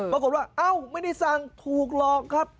ปรากฏว่าเอ้าไม่ได้สั่งถูกหรอกครับ